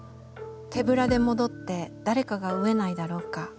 手ぶらで戻って誰かが飢えないだろうか。